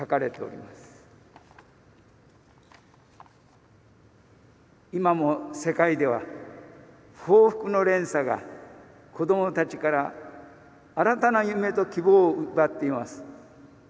「いまも世界では報復の連鎖が子どもたちから新たな夢と希望を奪っています